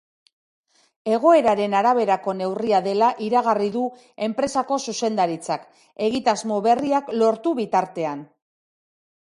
Egoeraren araberako neurria dela iragarri du enpresako zuzendaritzak, egitasmo berriak lortu bitartean.